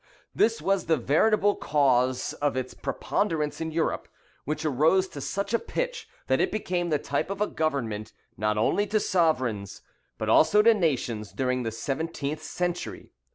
This was the veritable cause of its preponderance in Europe, which arose to such a pitch, that it became the type of a government not only to sovereigns, but also to nations, during the seventeenth century."